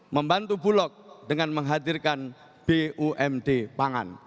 membantu bulog dengan menghadirkan bumd pangan